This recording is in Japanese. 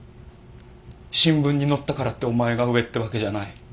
新聞に載ったからってお前が上ってわけじゃない。